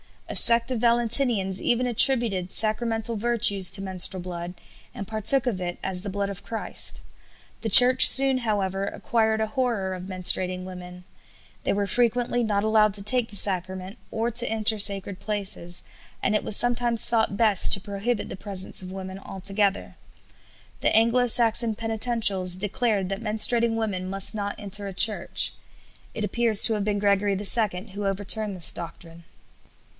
A sect of Valentinians even attributed sacramental virtues to menstrual blood, and partook of it as the blood of Christ. The Church soon, however, acquired a horror of menstruating women; they were frequently not allowed to take the sacrament or to enter sacred places, and it was sometimes thought best to prohibit the presence of women altogether. The Anglo Saxon Penitentials declared that menstruating women must not enter a church. It appears to have been Gregory II who overturned this doctrine.